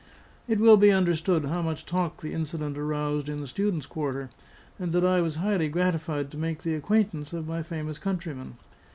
It will be understood how much talk the incident aroused in the students' quarter, and that I was highly gratified to make the acquaintance of my famous countryman.